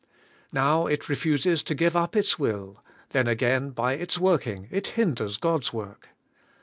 Now it refuses to give up its will ; then again, by its working, it hinders God's work.